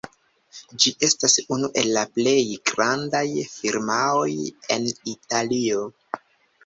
Ĝi estas unu el la plej grandaj firmaoj en Italio.